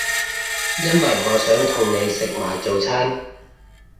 因為我想同你食埋早餐